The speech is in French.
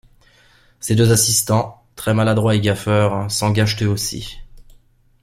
Ses deux assistants, très maladroits et gaffeurs, s'engagent eux aussi…